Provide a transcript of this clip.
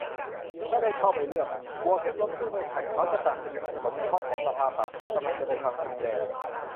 ไม่ได้เข้าไปเลือกอ่ะ กลัวขึ้นรถตู้ไม่ทัน เขาจะตัดสิทธิกินขนมในห้องของเราอ๊ะป่ะ กำลังจะไปฟังสุดแดน